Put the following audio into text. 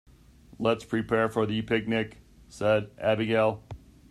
"Let's prepare for the picnic!", said Abigail.